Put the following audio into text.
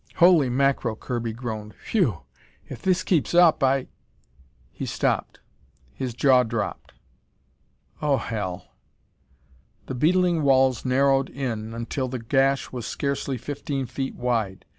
"Holy mackerel," Kirby groaned. "Phew! If this keeps up, I " He stopped. His jaw dropped. "Oh, hell!" The beetling walls narrowed in until the gash was scarcely fifteen feet wide.